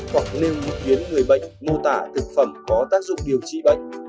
hoặc nêu nguyên người bệnh mô tả thực phẩm có tác dụng điều trị bệnh